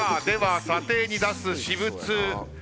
では査定に出す私物。